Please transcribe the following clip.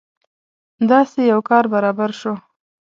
داسې یو کار برابر شو.